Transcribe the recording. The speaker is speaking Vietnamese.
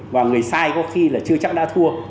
và người sai có khi là chưa chắc đã thua